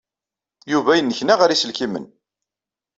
Yuba yennekna ɣer yiselkimen.